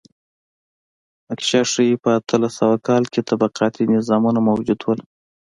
نقشه ښيي په اتلس سوه کال کې طبقاتي نظامونه موجود و.